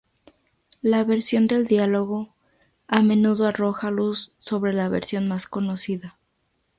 La versión del diálogo, a menudo arroja luz sobre la versión más conocida.